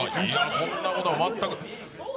そんなことは全く。